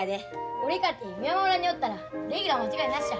俺かて美山村におったらレギュラー間違いなしや。